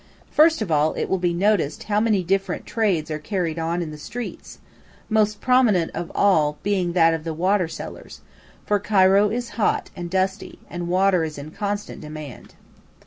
First of all it will be noticed how many different trades are carried on in the streets, most prominent of all being that of the water sellers, for Cairo is hot and dusty, and water is in constant demand.